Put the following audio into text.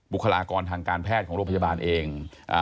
บุคลากรทางการแพทย์ของโรงพยาบาลเอง